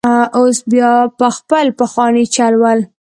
اوس بیا په خپل پخواني چل ول.